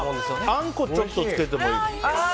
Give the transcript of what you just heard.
あんこをちょっとつけてもいい。